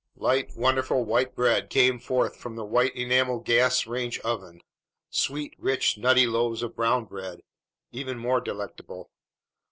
Light, wonderful white bread came forth from the white enamel gas range oven, sweet, rich, nutty loaves of brown bread, even more delectable.